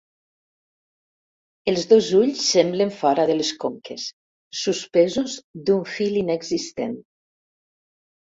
Els dos ulls semblen fora de les conques, suspesos d'un fil inexistent.